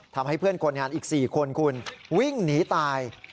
ทำให้เพื่อนคนงานอีก๔คนคุณวิ่งหนีตาย